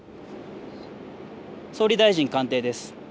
総理大臣官邸です。